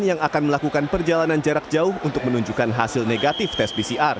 yang akan melakukan perjalanan jarak jauh untuk menunjukkan hasil negatif tes pcr